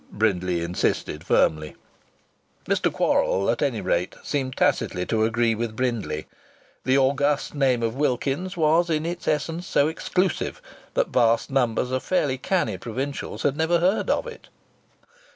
Brindley insisted firmly. Mr. Quorrall at any rate seemed tacitly to agree with Brindley. The august name of Wilkins's was in its essence so exclusive that vast numbers of fairly canny provincials had never heard of it.